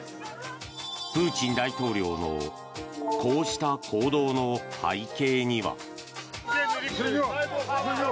プーチン大統領のこうした行動の背景には。